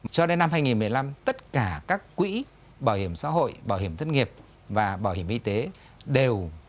cho đến năm hai nghìn một mươi năm tất cả các quỹ bảo hiểm xã hội bảo hiểm thất nghiệp và bảo hiểm y tế đều